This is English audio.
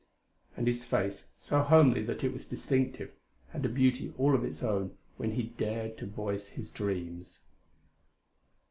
And his face, so homely that it was distinctive, had a beauty all its own when he dared to voice his dreams.